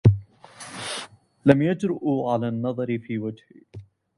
لم يجرؤوا على النظر في وجهي.